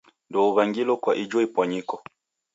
Ndouw'angilo kwa ijo ipwanyiko.